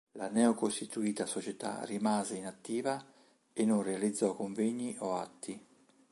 La neocostituita società rimase inattiva e non realizzò convegni o atti.